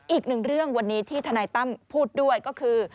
อีกหนึ่งเรื่องวันนี้ที่ทนายตั้มพูดด้วยก็คือ